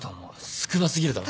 少なすぎるだろ。